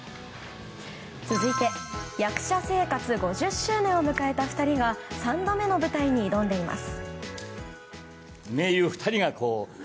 続いて役者生活５０周年を迎えた２人が３度目の舞台に挑んでいます。